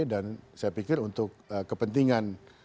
dan saya pikir untuk kepentingan untuk bisa bagaimana